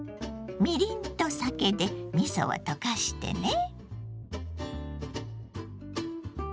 みりんと酒でみそを溶かしてね。